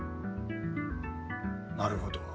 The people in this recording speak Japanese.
なるほど。